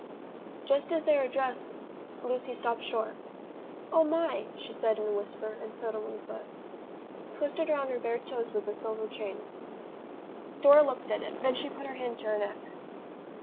Just as they were dressed, Lucy stopped short. "O my!" she said in a whisper, and stood on one foot. Twisted about her bare toes was a little silver chain. Dora looked at it. Then she put her hand to her neck.